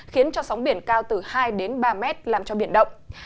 khiến cho sóng biển cao từ hai đến ba mét làm cho biển động